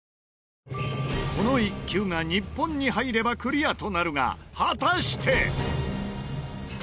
この１球が日本に入ればクリアとなるが果たして。